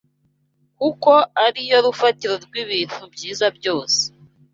kuko ari yo rufatiro rw’ibintu byiza byose